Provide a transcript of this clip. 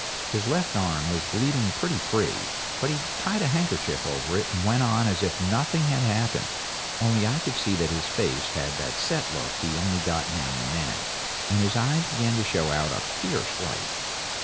His left arm was bleeding pretty free, but he tied a handkerchief over it and went on as if nothing had happened, only I could see that his face had that set look he only got now and then, and his eyes began to show out a fierce light.